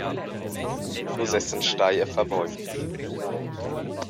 Nus essan stai a far bogn.